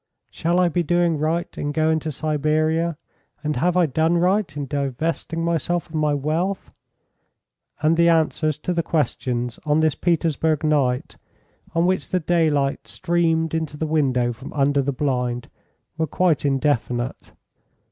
"Shall I be doing right in going to Siberia? And have I done right in divesting myself of my wealth?" And the answers to the questions on this Petersburg night, on which the daylight streamed into the window from under the blind, were quite indefinite.